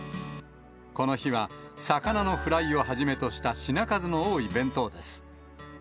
この日は魚のフライをはじめとした品数の多い弁当です。